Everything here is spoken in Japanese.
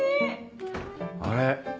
あれ？